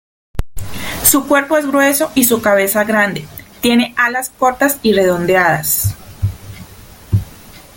Su cuerpo es grueso y su cabeza grande, tiene alas cortas y redondeadas.